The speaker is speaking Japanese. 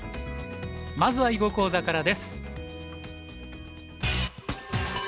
まずは囲碁講座からです。